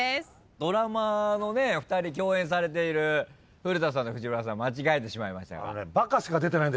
ドラマのね共演されている古田さんと藤原さん間違えてしまいましたが。